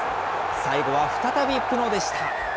最後は再びプノでした。